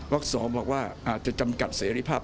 ๒บอกว่าอาจจะจำกัดเสรีภาพ